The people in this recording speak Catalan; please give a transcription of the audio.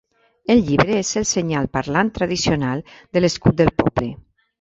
El llibre és el senyal parlant tradicional de l'escut del poble.